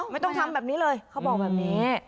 ไม่ต้องทำแบบนี้เลยเขาบอกแบบนี้